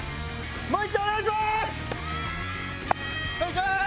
もう一丁お願いします！